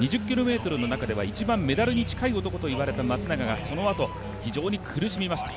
２０ｋｍの中では、一番メダルに近い男といわれた松永がそのあと、非常に苦しみました。